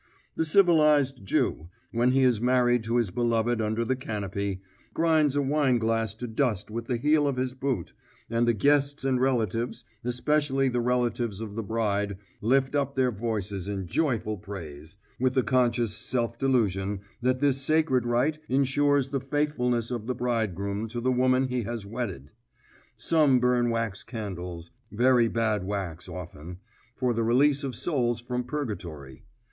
The civilised Jew, when he is married to his beloved under the canopy, grinds a wine glass to dust with the heel of his boot, and the guests and relatives, especially the relatives of the bride, lift up their voices in joyful praise, with the conscious self delusion that this sacred rite insures the faithfulness of the bridegroom to the woman he has wedded. Some burn wax candles very bad wax often for the release of souls from purgatory.